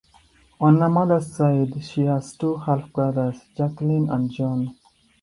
On her mother's side, she has two half brothers: Jacqueline and John.